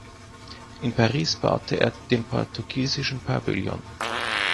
In Paris baute er den „portugiesischen Pavillon“.